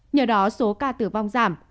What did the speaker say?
nhờ đó số ca tử vong giảm